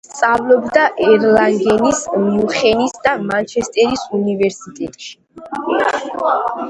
სწავლობდა ერლანგენის, მიუნხენის და მანჩესტერის უნივერსიტეტში.